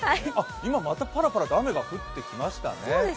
今またぱらぱらと雨が降ってきましたね。